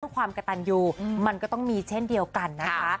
เพื่อความกระตันยูมันก็ต้องมีเช่นเดียวกันนะคะ